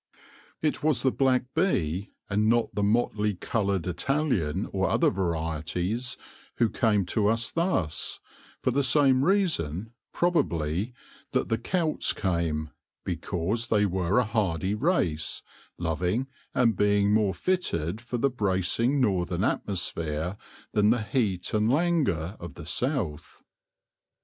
It was the black bee, and not the motley coloured Italian or other varieties, who came to us thus, for the same reason, probably, that the Celts came — because they were a hardy race, loving, and being more fitted for the bracing northern atmosphere than the heat and languor of the south.